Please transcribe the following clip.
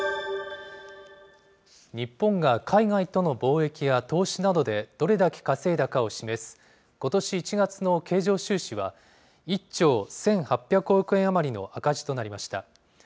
日本が海外との貿易や投資などでどれだけ稼いだかを示す、ことし１月の経常収支は、１兆１８００億円余りの赤字となりました。